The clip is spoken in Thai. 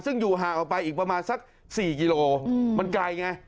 ซึ่งอยู่ห่างออกไปอีกประมาณสัก๔กิโลมันไกลไง